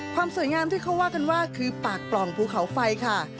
ความสวยงามที่เขาว่ากันว่าคือปากปล่องภูเขาไฟค่ะ